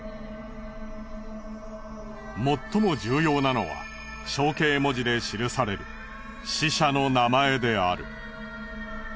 もっとも重要なのは象形文字で記される死者の名前である。